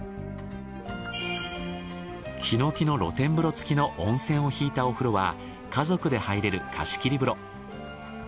ヒノキの露天風呂付きの温泉を引いたお風呂は家族で入れる貸し切り風呂。